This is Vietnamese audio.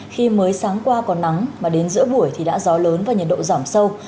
khi mới sáng qua còn nắng mà đến giữa buổi thì đã gió lớn và nhiệt độ giảm sâu